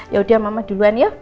yaudah mama duluan ya